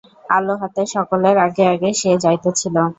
আলো হাতে সকলের আগে আগে সে যাইতেছিল।